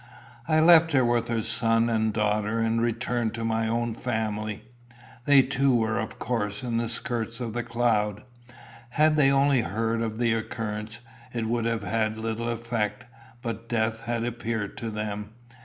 I left her with her son and daughter, and returned to my own family. They too were of course in the skirts of the cloud. Had they only heard of the occurrence, it would have had little effect; but death had appeared to them.